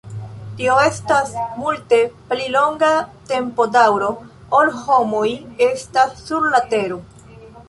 Tio estas multe pli longa tempodaŭro, ol homoj estas sur la Tero.